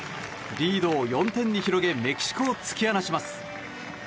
リードを４点に広げメキシコを突き放します。